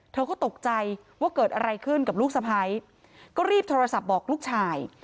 เธอก็ตกใจว่าเกิดอะไรขึ้นกับลูกสะพ้ายก็รีบโทรศัพท์บอกลูกชาย